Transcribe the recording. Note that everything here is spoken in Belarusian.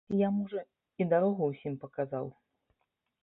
Я, можа, і дарогу ўсім паказаў.